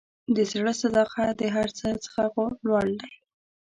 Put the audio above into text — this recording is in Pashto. د زړه صداقت د هر څه څخه لوړ دی.